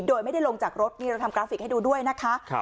โดยไม่ได้ลงจากรถนี่เราทำกราฟิกให้ดูด้วยนะคะ